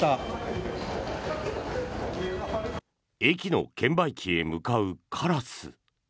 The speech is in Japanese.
駅の券売機へ向かうカラス。